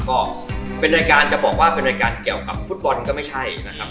ก็เป็นรายการจะบอกว่าเป็นรายการเกี่ยวกับฟุตบอลก็ไม่ใช่นะครับ